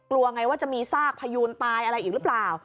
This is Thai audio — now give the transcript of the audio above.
กลัวไงว่าจะมีซากพยูนตายอะไรอีกหรือเปล่า